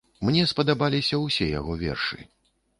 Мне спадабаліся ўсе яго вершы.